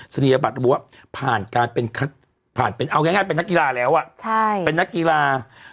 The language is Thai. เสรียบัตรบัวผ่านการเป็นเอาง่ายเป็นนักกีฬาแล้วอะ